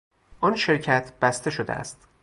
آن شرکت بسته شده است.